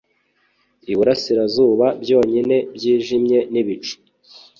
Iburasirazuba byonyine byijimye nibicu